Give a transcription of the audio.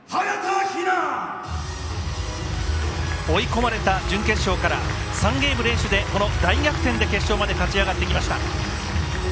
追い込まれた準決勝から３ゲーム連取で、大逆転で決勝まで勝ち上がってきました。